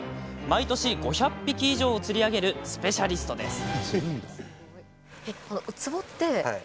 毎年、５００匹以上釣り上げるスペシャリストです。